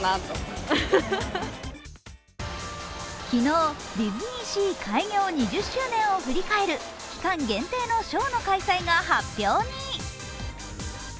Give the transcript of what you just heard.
昨日、ディズニーシー開業２０周年を振り返る期間限定のショーの開催が発表に。